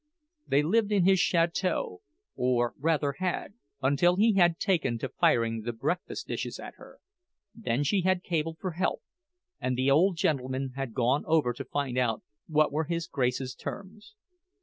They lived in his chateau, or rather had, until he had taken to firing the breakfast dishes at her; then she had cabled for help, and the old gentleman had gone over to find out what were his Grace's terms.